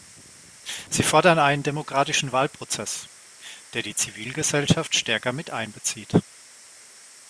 Sie fordern einen demokratischen Wahlprozess, der die Zivilgesellschaft stärker mit einbezieht.